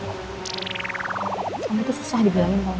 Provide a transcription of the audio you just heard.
kamu tuh susah dibilangin kamu